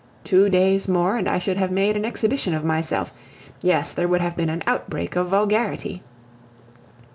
Two days more, and I should have made an exhibition of myself; yes, there would have been an outbreak of vulgarity.